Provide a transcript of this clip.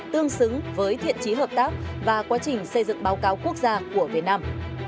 tương xứng với thiện trí hợp tác và quá trình xây dựng báo cáo quốc gia của việt nam